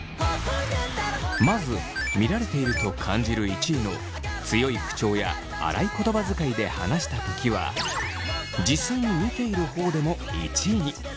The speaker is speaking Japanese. まず見られていると感じる１位の強い口調や荒い言葉遣いで話したときは実際に見ている方でも１位に。